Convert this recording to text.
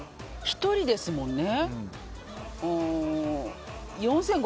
１人ですもんね。